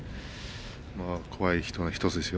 怖い人の１人ですよ